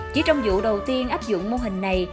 chỉ trong vụ đầu tiên áp dụng mô hình này